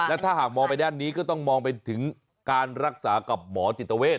และถ้าหากมองไปด้านนี้ก็ต้องมองไปถึงการรักษากับหมอจิตเวท